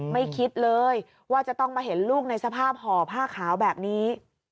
ไม่คิดเลยว่าจะต้องมาเห็นลูกในสภาพห่อผ้าขาวแบบนี้